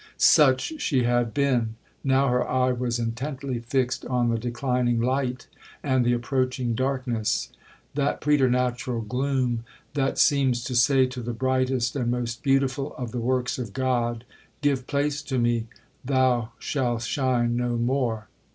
'Such she had been. Now, her eye was intently fixed on the declining light, and the approaching darkness,—that preternatural gloom, that seems to say to the brightest and most beautiful of the works of God, 'Give place to me, thou shall shine no more.'